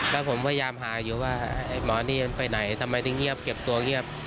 แล้วผมพยายามหาอยู่ว่าไอ้หมอนี่มันไปไหนทำไมถึงเงียบเก็บตัวเงียบ